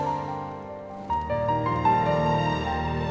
kakak kecewa sama kamu